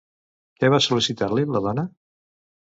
Què va sol·licitar-li, la dona?